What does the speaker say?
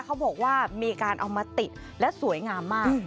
เขาบอกว่ามีการเอามาติดและสวยงามมาก